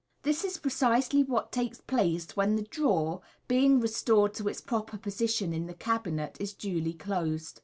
This is precisely what takes place when the drawer, being restored to its proper position in the cabinet, is duly closed.